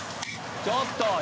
ちょっと。